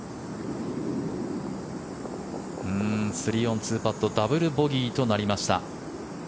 ３オン、２パットダブルボギーとなりました。